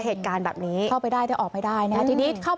เหตุการณ์แบบนี้เข้าไปได้แต่ออกไปได้นะครับ